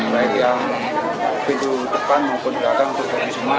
baik yang pintu depan maupun belakang tutup semua